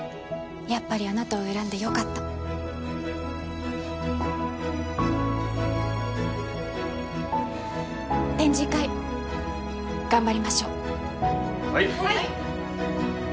やっぱりあなたを選んでよかった展示会頑張りましょうはい！